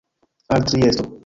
Al Triesto.